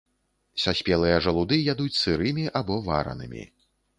Саспелыя жалуды ядуць сырымі або варанымі.